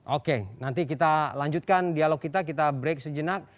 oke nanti kita lanjutkan dialog kita kita break sejenak